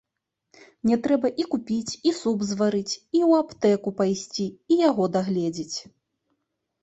Мне трэба і купіць, і суп зварыць, і ў аптэку пайсці, і яго дагледзець.